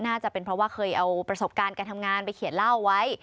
น่าจะเป็นเพราะว่าเคยเอาประสบการณ์การทำงานไปเขียนเล่าไว้